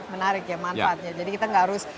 menarik ya manfaatnya jadi kita nggak harus